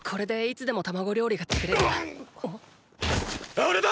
あれだ！